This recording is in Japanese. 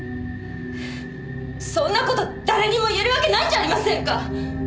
そんな事誰にも言えるわけないじゃありませんか！